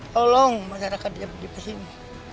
tolong masyarakat jambudipa sini